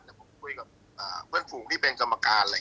แต่ผมคุยกับเพื่อนฝูงที่เป็นสหภัณฑ์อะไรอย่างนี้